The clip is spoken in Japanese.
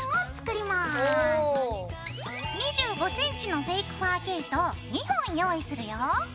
２５ｃｍのフェイクファー毛糸を２本用意するよ。